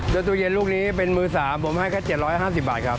โดยตู้เย็นลูกนี้เป็นมือ๓ผมให้แค่๗๕๐บาทครับ